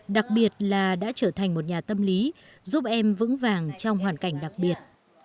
đặc biệt là đã trở thành một nhà tâm lý giúp em vững vàng trong hoàn cảnh đặc biệt